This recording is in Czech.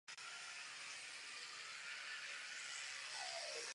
Na dolním toku se pak údolí zužuje.